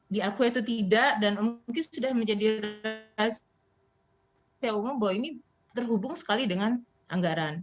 di aku itu tidak dan mungkin sudah menjadi rasanya umum bahwa ini terhubung sekali dengan anggaran